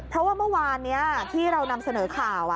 เพราะว่าเมื่อวานนี้ที่เรานำเสนอข่าว